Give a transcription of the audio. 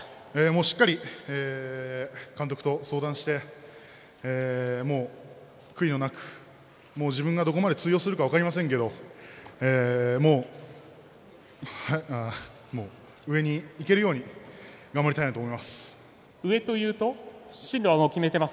しっかりと監督と相談をして悔いのなく、自分がどこまで通用するか分かりませんけれど上にいけるように頑張りたいなと思います。